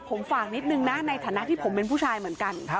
ผมฝากนิดนึงนะในฐานะที่ผมเป็นผู้ชายเหมือนกัน